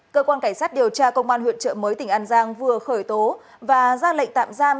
cơ quan cảnh sát điều tra công an huyện trợ mới tỉnh an giang vừa khởi tố và ra lệnh tạm giam